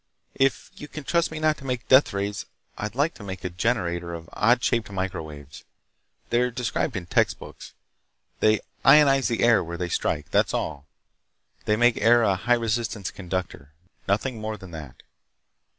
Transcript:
"If you can trust me not to make deathrays, I'd like to make a generator of odd shaped microwaves. They're described in textbooks. They ionize the air where they strike. That's all. They make air a high resistance conductor. Nothing more than that."